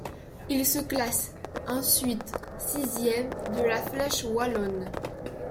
Il se classe ensuite sixième de la Flèche wallonne.